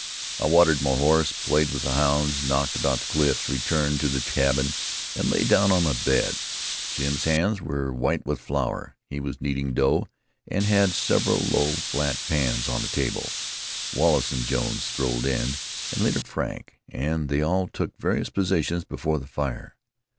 I watered my horse, played with the hounds, knocked about the cliffs, returned to the cabin, and lay down on my bed. Jim's hands were white with flour. He was kneading dough, and had several low, flat pans on the table. Wallace and Jones strolled in, and later Frank, and they all took various positions before the fire.